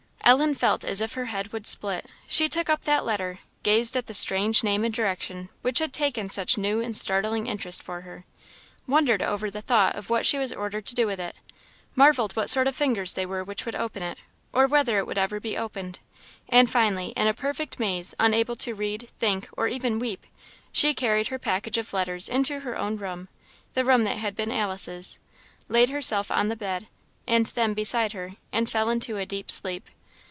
Ellen felt as if her head would split. She took up that letter, gazed at the strange name and direction which had taken such new and startling interest for her, wondered over the thought of what she was ordered to do with it, marvelled what sort of fingers they were which would open it, or whether it would ever be opened; and finally, in a perfect maze, unable to read, think, or even weep, she carried her package of letters into her own room, the room that had been Alice's, laid herself on the bed, and them beside her, and fell into a deep sleep.